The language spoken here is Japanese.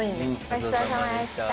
ごちそうさまでした。